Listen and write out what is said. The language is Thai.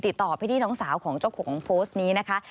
ติดต่อพี่น้องสาวของเจ้าของโพสต์นี้นะคะ